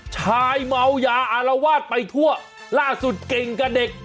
ชายเมายาอารวาสไปทั่วล่าสุดเก่งกับเด็ก